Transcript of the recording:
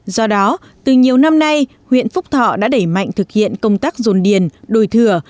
do đó từ nhiều năm nay huyện phúc thọ đã đẩy mạnh thực hiện công tác dồn điền đổi thừa